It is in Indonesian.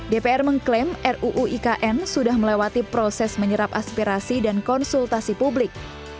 dpr mengklaim ruu ikn sudah melewati proses menyerap aspirasi dan konsultasi publik